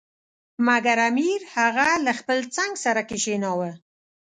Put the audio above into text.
مګر امیر هغه له خپل څنګ سره کښېناوه.